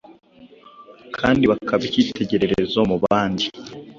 kandi bakaba icyitegererezo mu bandi